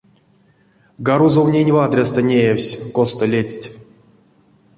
Гарузовнень вадрясто неявсь, косто ледсть.